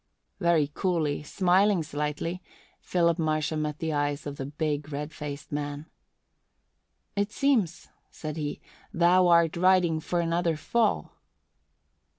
Very coolly, smiling slightly, Philip Marsham met the eyes of the big, red faced man. "It seems," said he, "thou art riding for another fall."